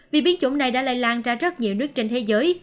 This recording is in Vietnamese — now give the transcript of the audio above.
vì biến chủng này đã lây lan ra rất nhiều nước trên thế giới